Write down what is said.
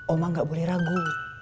oma nggak boleh ragu